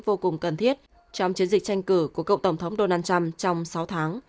vô cùng cần thiết trong chiến dịch tranh cử của cựu tổng thống donald trump trong sáu tháng